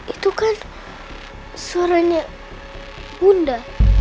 itu kan suaranya bunda